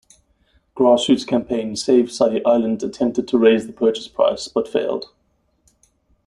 Grassroots campaign "Save Sully Island" attempted to raise the purchase price, but failed.